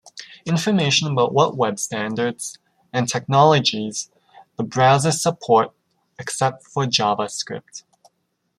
Information about what web standards, and technologies the browsers support, except for JavaScript.